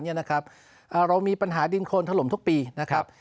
เรามีปัญหาดินโคนถล่มทุกปีนะครับ